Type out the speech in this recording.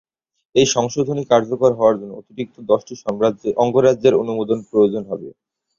এই সংশোধনী কার্যকর হওয়ার জন্য অতিরিক্ত দশটি অঙ্গরাজ্যের অনুমোদন প্রয়োজন হবে।